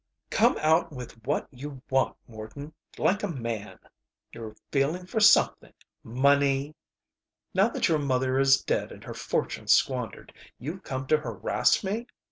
"Come out with what you want, Morton, like a man! You're feeling for something. Money? Now that your mother is dead and her fortune squandered, you've come to harass me?